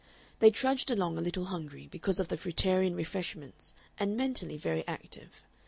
They trudged along a little hungry, because of the fruitarian refreshments, and mentally very active.